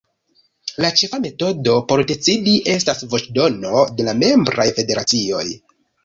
La ĉefa metodo por decidi estas voĉdono de la membraj federacioj.